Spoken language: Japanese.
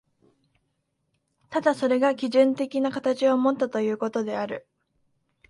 ただそれが基準的な形をもったということである。